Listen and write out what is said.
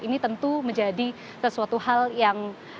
ini tentu menjadi sesuatu hal yang cukup menarik untuk